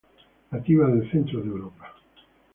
Nativa del centro de Europa.